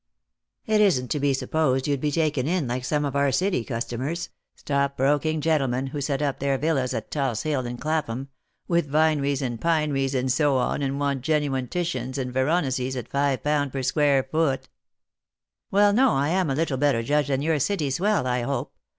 " It isn't to be supposed you'd be taken in like some of our City customers — stockbroking gentlemen, who set up their villas at Tulse hill and Clapham, with vineries and pineries, and so on, and want genuine Titians and Veronesea at five pound per square foot." Lost for Love. 55 " Well, no, I am a little better judge than your City swell, I hope.